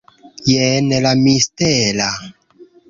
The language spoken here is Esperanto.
Jen la mistera...